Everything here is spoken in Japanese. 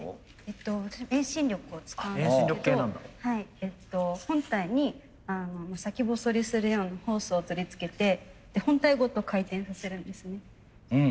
私も遠心力を使うんですけど本体に先細りするようなホースを取り付けて本体ごと回転させるんですね。